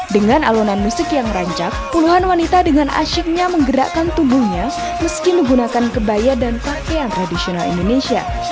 dengan alunan musik yang rancak puluhan wanita dengan asyiknya menggerakkan tubuhnya meski menggunakan kebaya dan pakaian tradisional indonesia